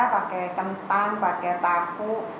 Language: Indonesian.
pakai kentang pakai tapu